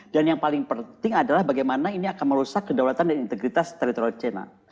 dan yang paling penting adalah bagaimana ini akan merusak kedaulatan dan integritas teritorial china